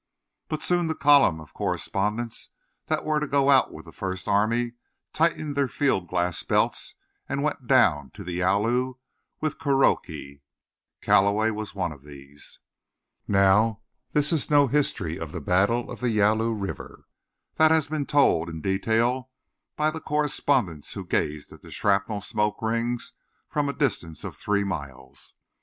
But soon the column of correspondents that were to go out with the First Army tightened their field glass belts and went down to the Yalu with Kuroki. Calloway was one of these. Now, this is no history of the battle of the Yalu River. That has been told in detail by the correspondents who gazed at the shrapnel smoke rings from a distance of three miles.